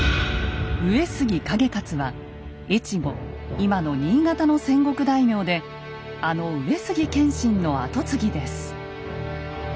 今の新潟の戦国大名であの上杉謙信の跡継ぎです。